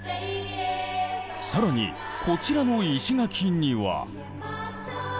更にこちらの石垣には。